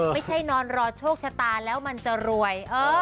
ไม่ใช่นอนรอโชคชะตาแล้วมันจะรวย